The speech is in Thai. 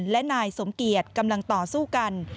และนายสมเกียจกำลังต่อสู้กัน